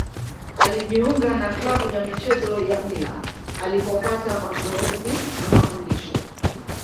Alijiunga na klabu ya michezo ya Mila alipopata mazoezi na mafundisho.